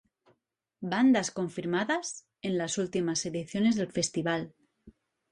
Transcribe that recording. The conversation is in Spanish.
Bandas confirmadas en las últimas ediciones del festival.